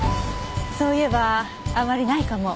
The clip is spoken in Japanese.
そういえばあまりないかも。